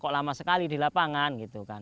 kok lama sekali di lapangan gitu kan